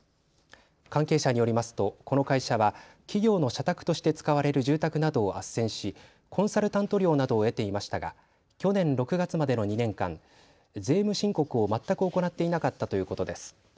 関係者によりますとこの会社は企業の社宅として使われる住宅などをあっせんしコンサルタント料などを得ていましたが去年６月までの２年間、税務申告を全く行っていなかったということです。